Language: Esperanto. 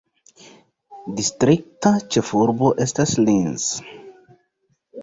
Distrikta ĉefurbo estas Linz.